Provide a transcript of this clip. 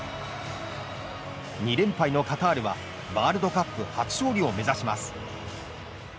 ２連敗のカタールはワールドカップ初勝利を目指します。